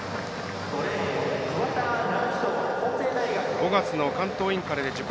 ５月の関東インカレで自己